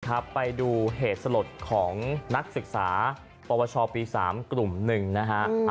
ครับไปดูเหตุสลดของนักศึกษาปวชปี๓กลุ่มหนึ่งนะฮะ